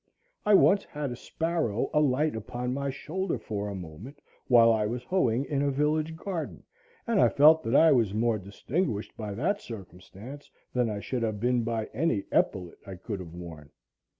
I once had a sparrow alight upon my shoulder for a moment while I was hoeing in a village garden, and I felt that I was more distinguished by that circumstance than I should have been by any epaulet I could have worn.